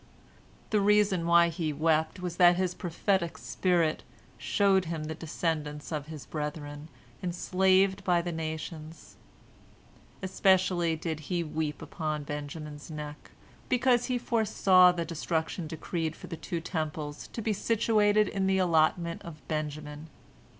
The reason why he wept was that his prophetic spirit showed him the descendants of his brethren enslaved by the nations. Especially did he weep upon Benjamin's neck, because he foresaw the destruction decreed for the two Temples to be situated in the allotment of Benjamin.